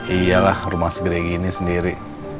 iyalah rumah segera gini sendiri